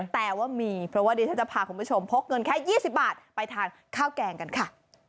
แต่ว่ามีเพราะว่าเดี๋ยวฉันจะพาคุณผู้ชมพกเงินแค่๒๐บาทไปทานข้าวแกงกันค่ะ